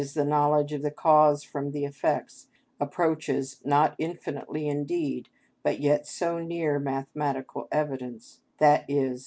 _, the knowledge of the cause from the effects, approaches, not infinitely indeed, but yet so near mathematical evidence, _i.e.